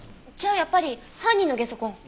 じゃあやっぱり犯人のゲソ痕。